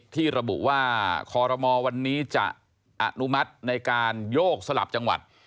ที่ระบุว่าคอรมอลวันนี้จะอนุมัติในการโยกสลับจังหวัด